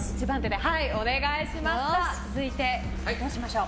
続いて、どうしましょう？